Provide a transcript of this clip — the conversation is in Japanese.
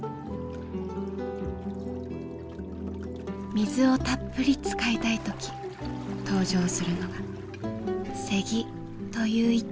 水をたっぷり使いたい時登場するのがセギという板。